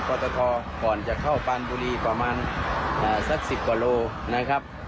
ก่อนจะเข้าปานบุรีกว่า๑๐กว่าโลกรัม